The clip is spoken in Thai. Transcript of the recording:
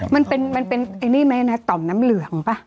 มันเป็นไอ้นี่ไหมนะต่อมน้ำเหลืองป่ะ